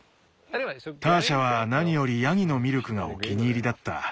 ターシャは何よりヤギのミルクがお気に入りだった。